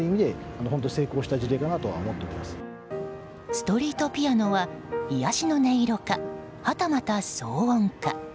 ストリートピアノは癒やしの音色か、はたまた騒音か。